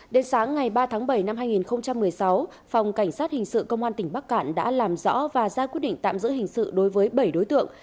đến sáng ngày ba tháng bảy năm hai nghìn một mươi sáu phòng cảnh sát hình sự công an tỉnh bắc cạn đã làm rõ và ra quyết định tạm giữ hình sự đối với bảy đối tượng